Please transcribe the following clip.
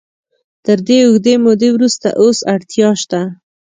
تر دې اوږدې مودې وروسته اوس اړتیا شته.